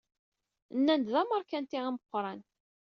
Nnan-d d ameṛkanti ameqqran.